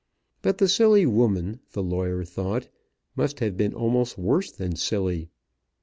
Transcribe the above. But the silly woman, the lawyer thought, must have been almost worse than silly.